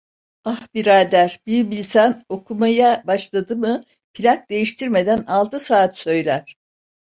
Ah birader, bir bilsen, okumaya başladı mı plak değiştirmeden altı saat söyler…